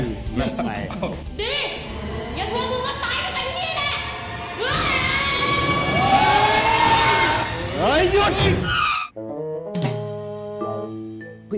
อย่าทัวร์มูกว่าตายก็เป็นที่นี่แหละ